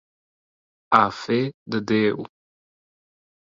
A fe de Déu.